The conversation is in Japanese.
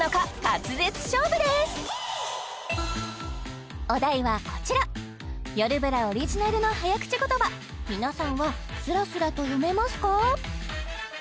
滑舌勝負ですお題はこちら「よるブラ」オリジナルの早口言葉皆さんはスラスラと読めますか？